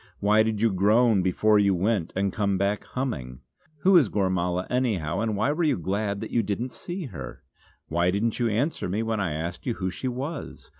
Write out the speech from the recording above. Why did you groan before you went, and come back humming? Who is Gormala, anyhow; and why were you glad that you didn't see her? Why didn't you answer me when I asked you who she was?